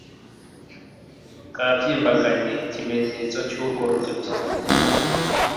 kabyimbaganye, ikimenyetso cyu rwo rutoki